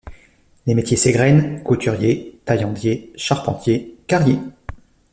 Les métiers s'égrènent: couturier, taillandier, charpentier, carrier...